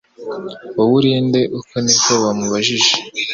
Wowe uri nde? Uko niko bamubajije.